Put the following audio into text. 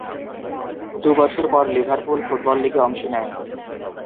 দু'বছর পর Liverpool football লীগে অংশ নেয়।